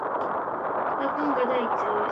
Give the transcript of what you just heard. რადგან გადაიწერეს